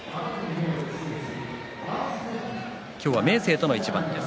今日は明生との一番です。